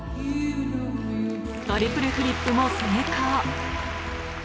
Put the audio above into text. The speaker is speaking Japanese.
トリプルフリップも成功